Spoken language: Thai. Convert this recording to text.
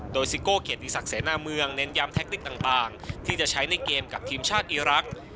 โดยซิโก้เกียรติศักดิเสนาเมืองเน้นย้ำแท็กติกต่างที่จะใช้ในเกมกับทีมชาติอีรักษ์